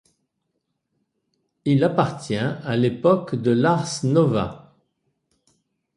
Il appartient à l'époque de l'ars nova.